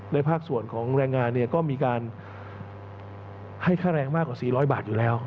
ภาคส่วนของแรงงานเนี่ยก็มีการให้ค่าแรงมากกว่า๔๐๐บาทอยู่แล้ว